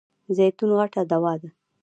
زیتون غټه دوا ده .